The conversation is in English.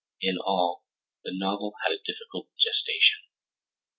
In all, the novel had a difficult gestation.